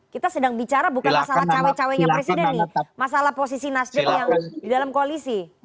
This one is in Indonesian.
kita sedang bicara bukan masalah cewek ceweknya presiden nih masalah posisi nasdam yang di dalam koalisi